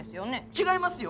違いますよ！